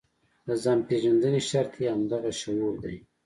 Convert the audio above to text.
د ځان پېژندنې شرط یې همدغه شعور دی.